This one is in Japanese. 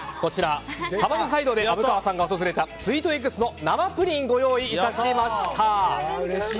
たまご街道で虻川さんが訪れたＳｗｅｅｔｅｇｇｓの生プリンご用意いたしました。